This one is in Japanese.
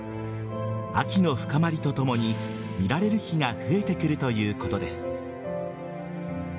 秋の深まりとともに見られる日が増えてくるということです。